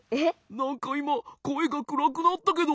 なんかいまこえがくらくなったけど。